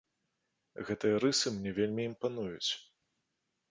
Гэтыя рысы мне вельмі імпануюць.